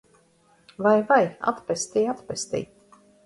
Vai, vai! Atpestī! Atpestī!